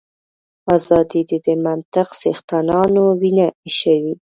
ازادي د دې منطق څښتنانو وینه ایشوي.